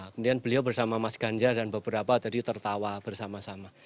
kemudian beliau bersama mas ganjar dan beberapa tadi tertawa bersama sama